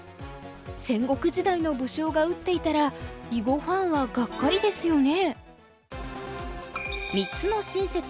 戦国時代の武将が打っていたら囲碁ファンはがっかりですよね。